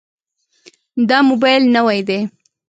دا موبایل نوی دی.